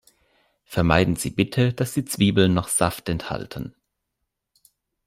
Vermeiden Sie bitte, dass die Zwiebeln noch Saft enthalten.